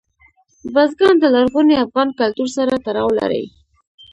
بزګان د لرغوني افغان کلتور سره تړاو لري.